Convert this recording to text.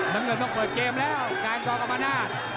ยังไม่จบนะ